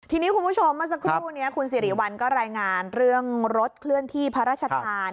ทีนี้คุณผู้ชมเมื่อสักครู่นี้คุณสิริวัลก็รายงานเรื่องรถเคลื่อนที่พระราชทาน